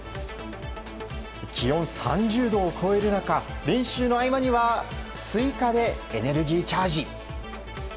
気温３０度を超える中練習の合間には、スイカでエネルギーチャージ。